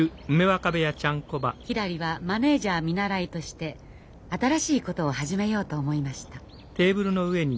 ひらりはマネージャー見習いとして新しいことを始めようと思いました。